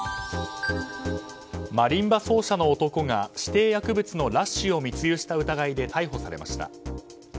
マリンバ奏者の男が指定薬物のラッシュを密輸した疑いで逮捕されました。